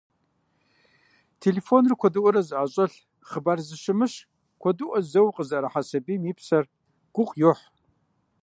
Телефоныр куэдыӀуэрэ зыӀэщӀэлъ, хъыбар зэщымыщ куэдыӀуэ зэуэ къызыӀэрыхьэ сабийхэм я псэр гугъу йохь.